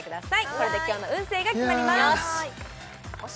それで今日の運勢が決まります推し